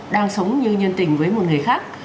đang sống như nhân tình với một người khác